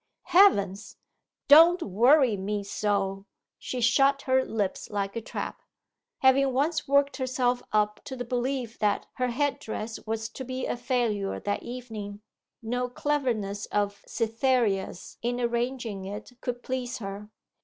'Heavens! Don't worry me so.' She shut her lips like a trap. Having once worked herself up to the belief that her head dress was to be a failure that evening, no cleverness of Cytherea's in arranging it could please her.